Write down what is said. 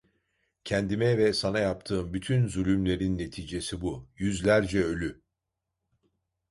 Kendime ve sana yaptığım bütün zulümlerin neticesi bu: Yüzlerce ölü…